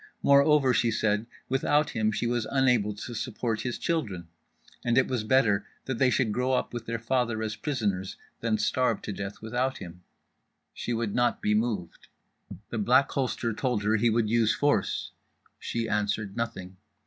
Moreover, she said, without him she was unable to support his children! and it was better that they should grow up with their father as prisoners than starve to death without him. She would not be moved. The Black Holster told her he would use force—she answered nothing.